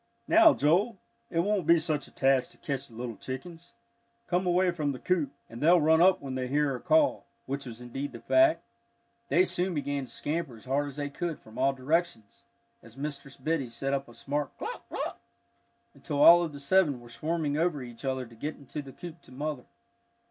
"Now, Joel, it won't be such a task to catch the little chickens. Come away from the coop, and they'll run up when they hear her call," which was indeed the fact. They soon began to scamper as hard as they could from all directions as Mistress Biddy set up a smart "cluck, cluck," until all of the seven were swarming over each other to get into the coop to mother.